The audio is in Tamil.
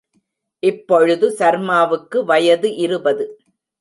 இப்பொழுது சர்மாவுக்கு வயது இருபது.